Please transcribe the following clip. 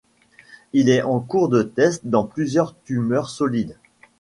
Il est en cours de test dans plusieurs tumeurs solides.